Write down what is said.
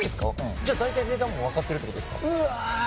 じゃあ大体値段も分かってるってことですか？